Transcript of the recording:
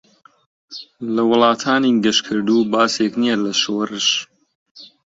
لە ولاتانی گەشکردو باسێك نییە لە شۆرش.